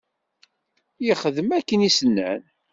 Yexdem akken i s-nnan.